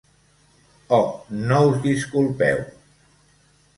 Oh, no us disculpeu!